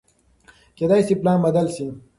کېدای شي پلان بدل شي.